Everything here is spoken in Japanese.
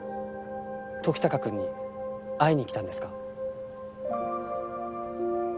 ときたかくんに会いに来たんですか？